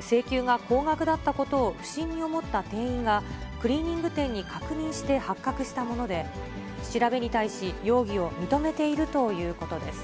請求が高額だったことを不審に思った店員が、クリーニング店に確認して発覚したもので、調べに対し、容疑を認めているということです。